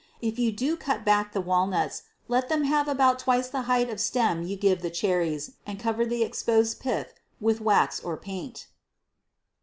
If you do cut back the walnuts, let them have about twice the height of stem you give the cherries and cover the exposed pith with wax or paint.